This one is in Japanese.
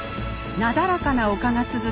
なだらかな丘が続く